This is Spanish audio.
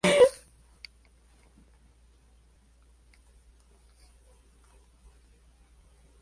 Los cilindros normalmente estaban hechos de metal, y movidos por un muelle.